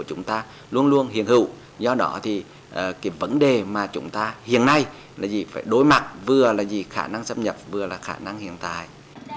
chúng ta luôn luôn hiện hữu do đó thì cái vấn đề mà chúng ta hiện nay là gì phải đối mặt vừa là gì khả năng xâm nhập vừa là khả năng hiện tại